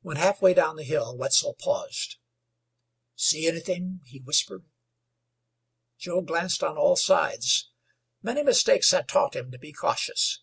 When half way down the bill Wetzel paused. "See anythin'?" he whispered. Joe glanced on all sides. Many mistakes had taught him to be cautious.